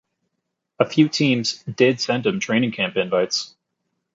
A few teams did send him training camp invites.